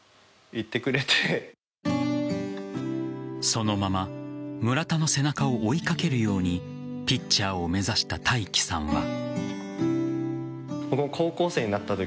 そのまま村田の背中を追いかけるようにピッチャーを目指した大稀さんは。